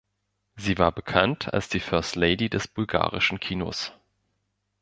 Sie war bekannt als die First Lady des bulgarischen Kinos.